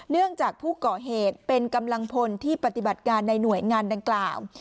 เนื่องจากผู้ก่อเหตุเป็นกำลังพลที่ปฏิบัติการในหน่วยงานดังกล่าว